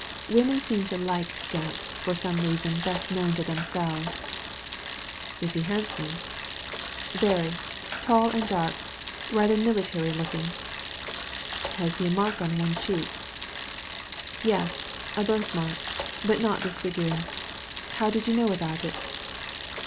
Women seem to like scamps, for some reason best known to themselves." " Is he handsome ?"Very. Tall and dark ; rather military looking." " Has he a mark on one cheek ?" "Yes, a birth mark ; but not disfiguring. How did you know about it